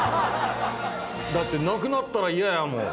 だってなくなったら嫌やもん。